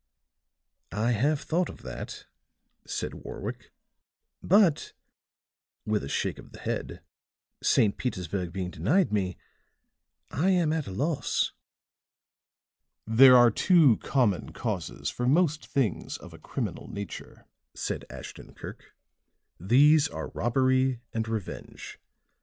"I have thought of that," said Warwick. "But," with a shake of the head, "St. Petersburg being denied me, I am at a loss." "There are two common causes for most things of a criminal nature," said Ashton Kirk. "These are robbery and revenge.